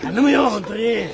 本当に！